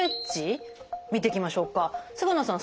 菅野さん